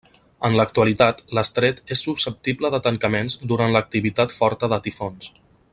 En l'actualitat l'estret és susceptible de tancaments durant l'activitat forta de tifons.